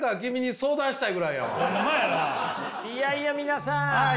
いやいや皆さん